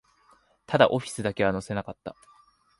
ただ、オフィスだけは乗せなかった